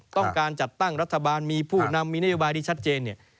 ต้องการจัดตั้งรัฐบาลมีผู้นำมีนโยบายที่ชัดเจนเนี่ย